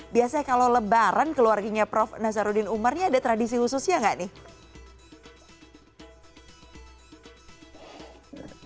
biasanya kalau lebaran keluarginya prof nasarudin umar nih ada tradisi khususnya nggak nih